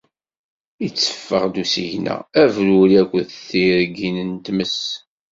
Itteffeɣ-d usigna, abruri akked tirgin n tmes.